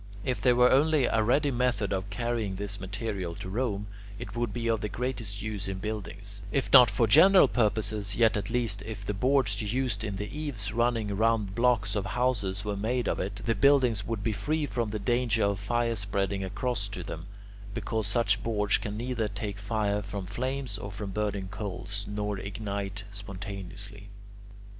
If there were only a ready method of carrying this material to Rome, it would be of the greatest use in buildings; if not for general purposes, yet at least if the boards used in the eaves running round blocks of houses were made of it, the buildings would be free from the danger of fire spreading across to them, because such boards can neither take fire from flames or from burning coals, nor ignite spontaneously.